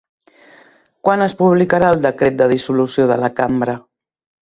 Quan es publicarà el decret de dissolució de la cambra?